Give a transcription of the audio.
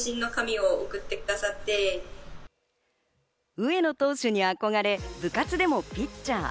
上野投手に憧れ、部活でもピッチャー。